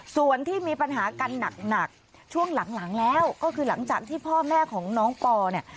ส่วนที่มีปัญหากันหนักช่วงหลังแล้วก็คือหลังจากที่พ่อแม่ของน้องปอเนี่ย